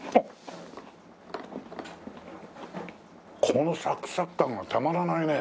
このサクサク感がたまらないね。